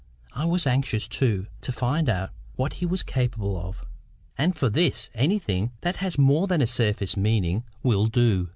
I was anxious, too, to find out what he was capable of. And for this, anything that has more than a surface meaning will do.